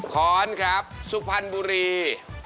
ขอนครับสุพันธ์บุรี